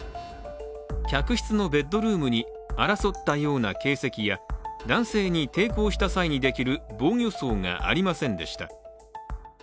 客室のベッドルームに争ったような形跡や男性に抵抗した際にできる防御創がありませんでした。